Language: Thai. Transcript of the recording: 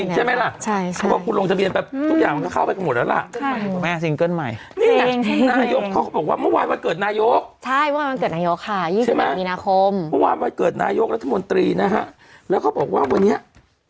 เขาก็ลงทะเบียนแปบทุกอย่างมันก็เข้าไปกันหมดแล้วล่ะ